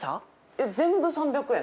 えっ全部３００円？